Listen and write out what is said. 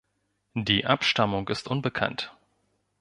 Die Abstammung ist unbekannt.